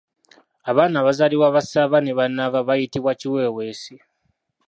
Abaana abazaalibwa bassaava ne bannaava bayitibwa Kiweeweesi.